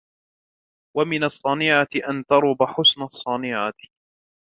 وَمِنْ الصَّنِيعَةِ أَنْ تَرُبَّ حُسْنَ الصَّنِيعَةِ